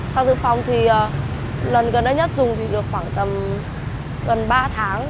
sau dự phòng thì lần gần đây nhất dùng thì được khoảng tầm gần ba tháng